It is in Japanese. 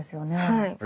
はい。